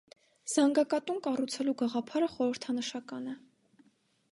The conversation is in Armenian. «Զանգակատուն» կառուցելու գաղափարը խորհրդանշական է։